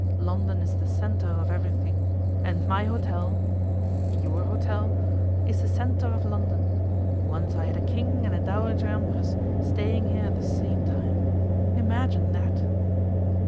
London is the centre of everything, and my hotel your hotel is the centre of London. Once I had a King and a Dowager Empress staying here at the same time. Imagine that!